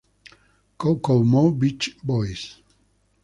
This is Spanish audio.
Ko ko mo Beach Boys